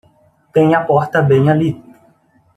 Tem a porta bem ali.